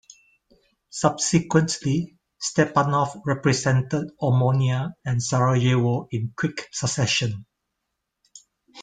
Subsequently, Stepanov represented Omonia and Sarajevo in quick succession.